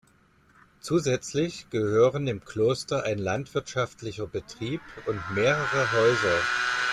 Zusätzlich gehören dem Kloster ein landwirtschaftlicher Betrieb und mehrere Häuser.